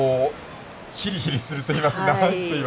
ひりひりするといいますか。